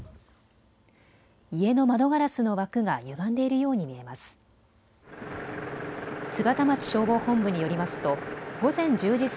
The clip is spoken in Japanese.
家の窓ガラスの枠がゆがんでいるように見えます。